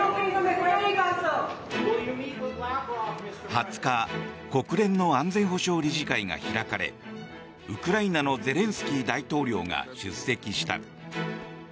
２０日国連の安全保障理事会が開かれウクライナのゼレンスキー大統領が出席した。